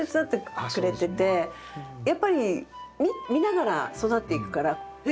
やっぱり見ながら育っていくから「え！